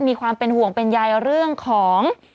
มีความเป็นห่วงเป็นใยเรื่องของ